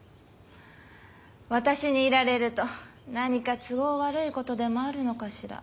私にいられると何か都合悪い事でもあるのかしら？